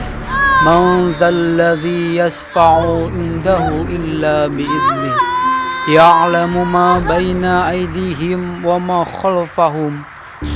dia memiliki apa yang ada di syurga dan apa yang ada di bumi